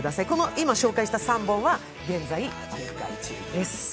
今紹介した３本は現在公開中です。